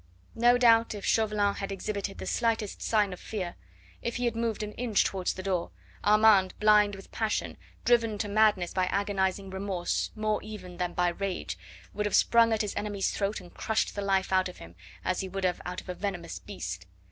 No doubt if Chauvelin had exhibited the slightest sign of fear, if he had moved an inch towards the door, Armand, blind with passion, driven to madness by agonising remorse more even than by rage, would have sprung at his enemy's throat and crushed the life out of him as he would out of a venomous beast.